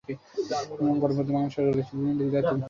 এবং গণপ্রজাতন্ত্রী বাংলাদেশ সরকারের শিল্প মন্ত্রীর দায়িত্ব পান।